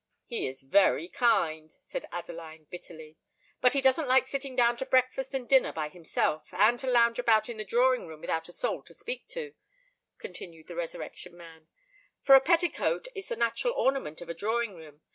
"He is very kind!" said Adeline, bitterly. "But he doesn't like sitting down to breakfast and dinner by himself, and to lounge about in the drawing room without a soul to speak to," continued the Resurrection Man; "for a petticoat is the natural ornament of a drawing room.